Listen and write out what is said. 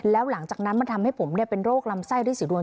แล้วหลังจากนั้นมันทำให้ผมเป็นโรคลำไส้ด้วยสีดวน